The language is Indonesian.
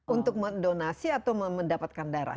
untuk mendonasi atau mendapatkan darah